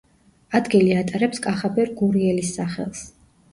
ადგილი ატარებს კახაბერ გურიელის სახელს.